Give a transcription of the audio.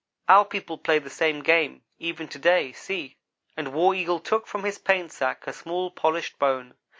"Our people play the same game, even to day. See," and War Eagle took from his paint sack a small, polished bone.